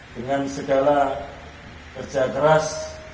dengan segala kerja keras